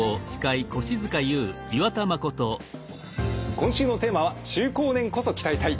今週のテーマは「中高年こそ鍛えたい！